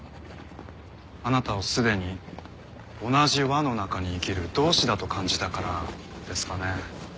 あなたをすでに同じ輪の中に生きる同志だと感じたからですかね。